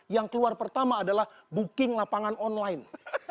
yang keluar pertama adalah booking lapangan online